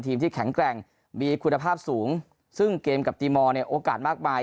ที่แข็งแกร่งมีคุณภาพสูงซึ่งเกมกับตีมอลเนี่ยโอกาสมากมาย